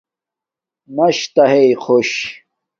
مَشتݳ ہݵئ خݸش.